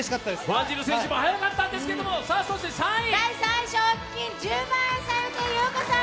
ワンジル選手も速かったんですけど、そして３位。